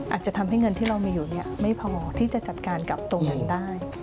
อาจจะทำให้เงินที่เรามีอยู่ไม่พอที่จะจัดการกับตรงนั้นได้